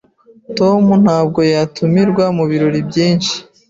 Tom ntabwo atumirwa mubirori byinshi.